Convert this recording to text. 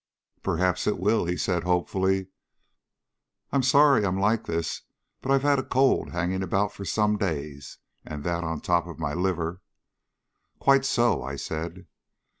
"Perhaps it will," he said hopefully. "I'm sorry I'm like this, but I've had a cold hanging about for some days, and that on the top of my liver " "Quite so," I said.